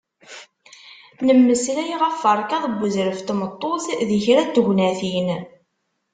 Nemmeslay ɣef urkaḍ n uzref n tmeṭṭut di kra n tegnatin.